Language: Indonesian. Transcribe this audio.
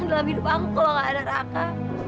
dalam hidup aku kalau gak ada raka